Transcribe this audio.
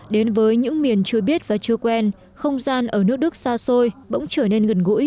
đến với những miền chưa biết và chưa quen không gian ở nước đức xa xôi bỗng trở nên gần gũi